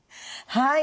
はい。